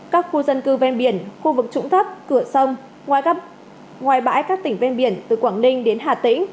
các khu dân cư ven biển khu vực trũng thấp cửa sông ngoài bãi các tỉnh ven biển từ quảng ninh đến hà tĩnh